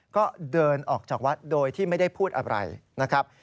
ก็เดินออกจากวัดโดยที่ไม่ได้พูดอะไรนะครับ